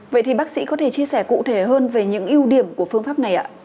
vậy thì bác sĩ có thể chia sẻ cụ thể hơn về những ưu điểm của phương pháp này ạ